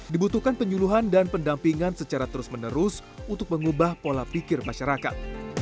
dibutuhkan penyuluhan dan pendampingan secara terus menerus untuk mengubah pola pikir masyarakat